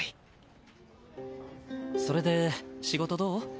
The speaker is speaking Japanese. それで仕事どう？